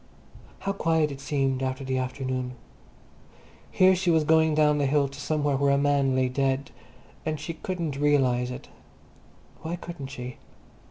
How quiet it seemed after the afternoon. Here she was going down the hill to somewhere where a man lay dead, and she couldn't realize it. Why couldn't she?